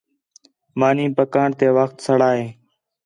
مانی پکاݨ تے وخت سڑا ہے